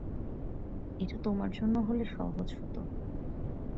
এটা তোমার জন্য হলে সহজ হত।